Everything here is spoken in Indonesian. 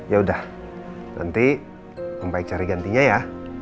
yaudah nanti om baik cari gantinya ya